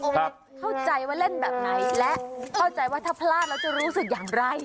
เข้าใจว่าเล่นแบบไหนและเข้าใจว่าถ้าพลาดแล้วจะรู้สึกอย่างไร